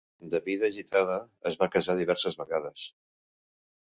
De vida agitada, es va casar diverses vegades.